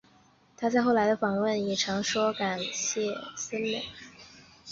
她在后来的访问也常说很感谢森美。